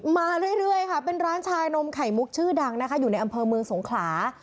มาเรื่อยค่ะเป็นร้านชายนมไข่มุกชื่อดังนะคะอยู่ในอำเภอเมืองสงขลา